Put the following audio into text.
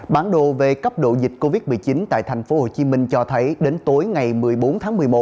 bản đồ về cấp độ dịch covid một mươi chín tại tp hcm cho thấy đến tối ngày một mươi bốn tháng một mươi một